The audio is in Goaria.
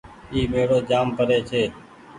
اي ميڙو جآم پري ڇي۔